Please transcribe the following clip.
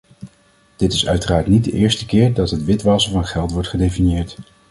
Dit is uiteraard niet de eerste keer dat het witwassen van geld wordt gedefinieerd.